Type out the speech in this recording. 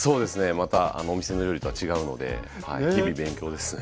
またお店の料理とは違うので日々勉強ですね。